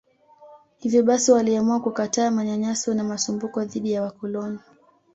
Hivyo basi waliamua kukataa manyanyaso na masumbuko dhidi ya wakoloni